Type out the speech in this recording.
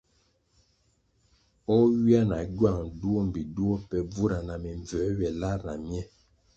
O ywia na gywang duo mbpi duo pe bvura na mimbvū ywe lar na mye.